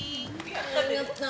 ありがとう！